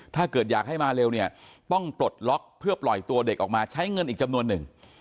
ถ้าเกิดอยากให้มาเร็วเนี่ยต้องปลดล็อกเพื่อปล่อยตัวเด็กออกมาใช้เงินอีกจำนวนหนึ่ง